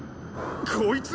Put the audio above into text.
こいつ！